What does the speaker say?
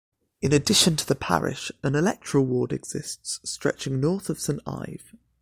In addition to the Parish an electoral ward exists stretching north of Saint Ive.